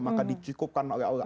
maka dicukupkan oleh allah